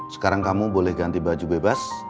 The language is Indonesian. sekarang kamu boleh ganti baju bebas